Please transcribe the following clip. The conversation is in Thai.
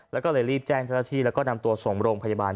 แล้วก็เลยรีบแจ้งจรภีแล้วก็นำตัวส่งโรงพยาบาล